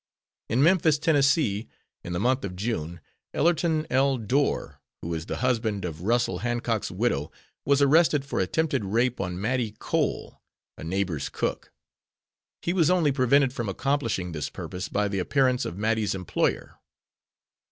In Memphis, Tenn., in the month of June, Ellerton L. Dorr, who is the husband of Russell Hancock's widow, was arrested for attempted rape on Mattie Cole, a neighbors cook; he was only prevented from accomplishing his purpose, by the appearance of Mattie's employer.